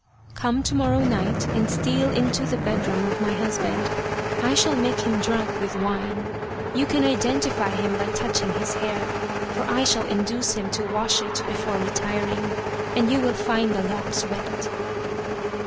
" Come to morrow night and steal into the bedroom of my husband. I shall make him drunk with wine. You can identify him by touching his hair, for I shall induce him to wash it before retiring, and you will find the locks wet."